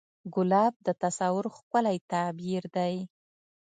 ګلاب د تصور ښکلی تعبیر دی.